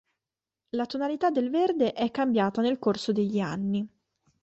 La tonalità del verde è cambiata nel corso degli anni.